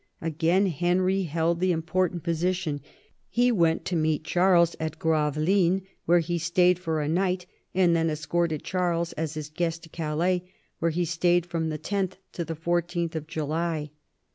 Again Henry held the im portant position ; he went to meet Charles at Grave lines, where he stayed for a night, and then escorted Charles as his guest to Calais, where he stayed from 10th to 14:th July.